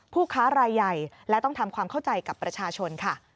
ผู้ค้ารายใหญ่และต้องทำความเข้าใจกับประชาชนค่ะ